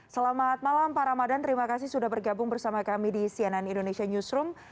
selamat malam pak ramadan terima kasih sudah bergabung bersama kami di cnn indonesia newsroom